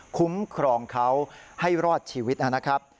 คุ้มครองเขาให้รอดชีวิตนะครับ